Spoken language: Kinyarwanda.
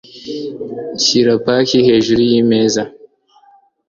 Shyira paki hejuru yimeza.